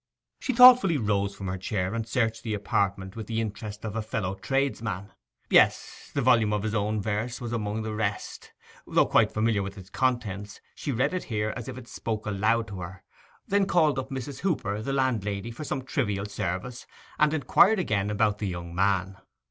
She thoughtfully rose from her chair and searched the apartment with the interest of a fellow tradesman. Yes, the volume of his own verse was among the rest. Though quite familiar with its contents, she read it here as if it spoke aloud to her, then called up Mrs. Hooper, the landlady, for some trivial service, and inquired again about the young man.